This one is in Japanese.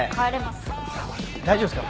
大丈夫っすか？